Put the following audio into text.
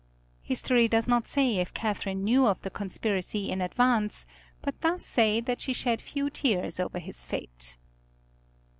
History does not say if Catherine knew of the conspiracy in advance, but does say that she shed few tears over his fate.